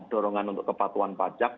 dorongan untuk kepatuan pajak